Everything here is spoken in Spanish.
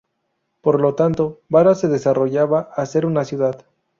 Por lo tanto Vara se desarrollaba a ser una ciudad.